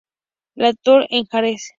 La Tour-en-Jarez